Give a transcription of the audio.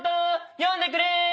読んでくれ。